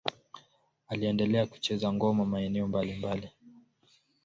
Aliendelea kucheza ngoma maeneo mbalimbali.